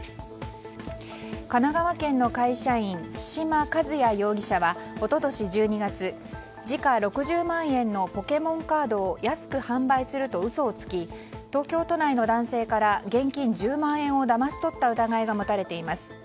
神奈川県の会社員千島和也容疑者は一昨年１２月時価６０万円のポケモンカードを安く販売すると嘘をつき東京都内の男性から現金１０万円をだまし取った疑いが持たれています。